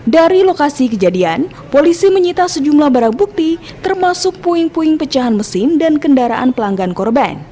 dari lokasi kejadian polisi menyita sejumlah barang bukti termasuk puing puing pecahan mesin dan kendaraan pelanggan korban